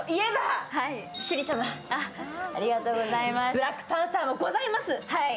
「ブラックパンサー」もございます。